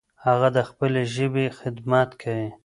هغه د خپلې ژبې خدمت کوي.